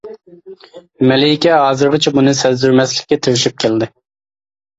مەلىكە ھازىرغىچە بۇنى سەزدۈرمەسلىككە تىرىشىپ كەلدى.